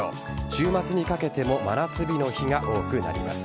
週末にかけても真夏日の日が多くなります。